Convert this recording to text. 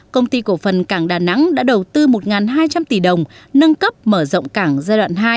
công ty cổ phần cảng đà nẵng đã đầu tư một hai trăm linh tỷ đồng nâng cấp mở rộng cảng giai đoạn hai